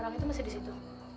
orang itu masih disitu